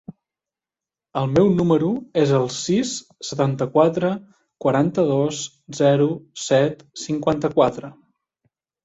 El meu número es el sis, setanta-quatre, quaranta-dos, zero, set, cinquanta-quatre.